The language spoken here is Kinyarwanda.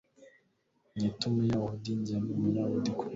Unyite Umuyahudi Njye Umuyahudi Kubera iki